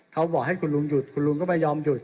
เขาบอกให้คุณลุงหยุดคุณลุงก็ไม่ยอมหยุด